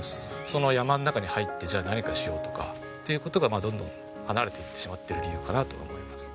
その山の中に入ってじゃあ何かしようとかっていう事がどんどん離れていってしまっている理由かなと思います。